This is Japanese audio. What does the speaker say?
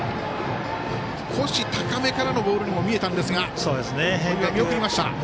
少し高めからのボールにも見えたんですが、よく見ました。